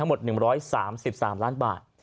หมด๑๓๓ล้านบาท